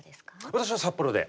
私は札幌で。